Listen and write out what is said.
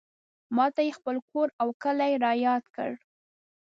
ماته یې خپل کور او کلی رایاد کړ.